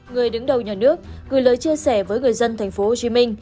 người đứng đầu nhà nước gửi lời chia sẻ với người dân tp hcm